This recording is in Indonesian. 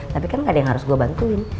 tapi kan nggak ada yang harus gua bantuin